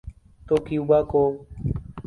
تو کیوبا کو۔